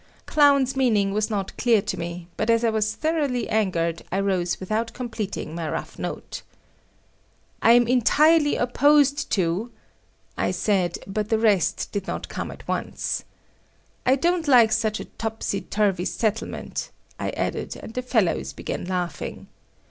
Clown's meaning was not clear to me, but as I was thoroughly angered, I rose without completing my rough note. "I am entirely opposed to……." I said, but the rest did not come at once. "…….I don't like such a topsy turvy settlement," I added and the fellows began laughing.